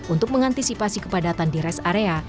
untuk mengantisipasi kepadatan di rest area